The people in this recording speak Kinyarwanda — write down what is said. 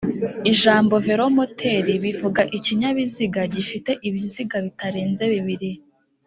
Ijambo "velomoteri" bivuga ikinyabiziga gifite ibiziga bitarenze bibiri